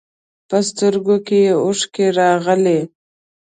په سترګو کې یې اوښکې راغلې.